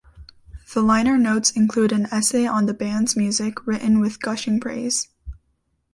The liner notes include an essay on the band's music, written with gushing praise.